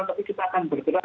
tapi kita akan bergerak